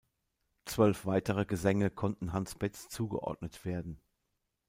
Zwölf weitere Gesänge konnten Hans Betz zugeordnet werden.